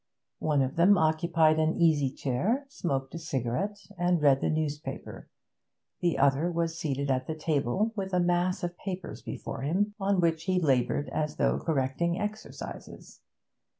One of them occupied an easy chair, smoked a cigarette, and read the newspaper; the other was seated at the table, with a mass of papers before him, on which he laboured as though correcting exercises.